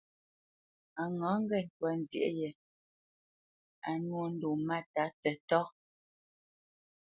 A ŋâ ŋgê ntwá nzyêʼ yē á nwô ndo máta tətá.